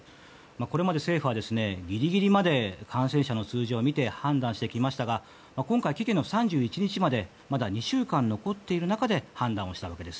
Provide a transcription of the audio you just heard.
これまで政府はギリギリまで感染者の数字を見て判断してきましたが今回、期限の３１日までまだ２週間残っている中で判断をしたわけです。